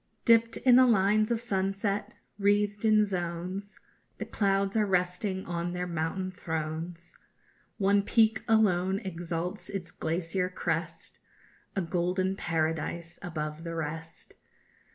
Dipped in the lines of sunset, wreathed in zones, The clouds are resting on their mountain thrones; One peak alone exalts its glacier crest, _A golden paradise above the rest.